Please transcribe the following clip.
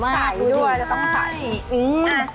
ใสด้วยจะต้องใส